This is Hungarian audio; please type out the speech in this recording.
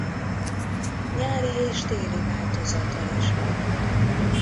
Nyári és téli változata is van.